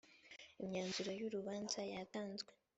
imyanzuro y urubanza yatanzwe